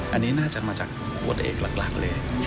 อันนี้น่าจะมาจากโค้ดเอกหลักเลย